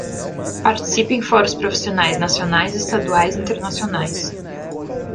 Participe em fóruns profissionais nacionais, estaduais e internacionais.